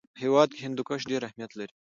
په هېواد کې هندوکش ډېر اهمیت لري.